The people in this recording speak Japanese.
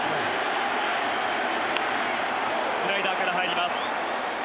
スライダーから入ります。